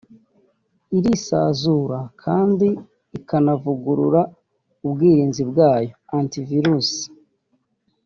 irisazura kandi ikanavugurura ubwirinzi bwayo (Anti Virus)